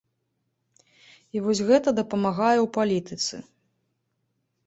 І вось гэта дапамагае ў палітыцы.